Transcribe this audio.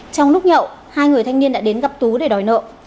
trong lúc nhậu hai người thanh niên đã đến gặp tú để đòi nợ